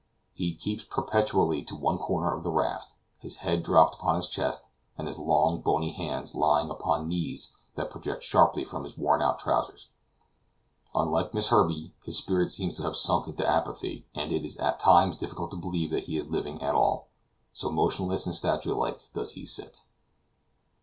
He keeps perpetually to one corner of the raft, his head dropped upon his chest, and his long, bony hands lying upon knees that project sharply from his worn out trowsers. Unlike Miss Herbey, his spirit seems to have sunk into apathy, and it is at times difficult to believe that he is living at all, so motionless and statue like does he sit.